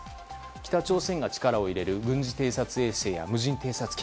北朝鮮が力を入れる軍事偵察衛星や無人偵察機